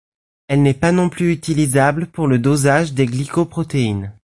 Elle n’est pas non plus utilisable pour le dosage des glycoprotéines.